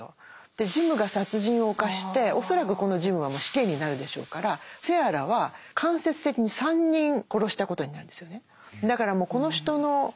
ジムが殺人を犯して恐らくこのジムは死刑になるでしょうからセアラは間接的に３人殺したことになるんですよね。